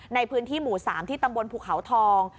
ในพื้นที่หมู่๓ที่ตำบลภูเขาทอง